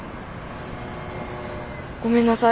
ごめんなさい。